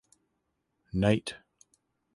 Knight.